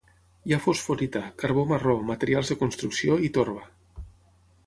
Hi ha fosforita, carbó marró, materials de construcció i torba.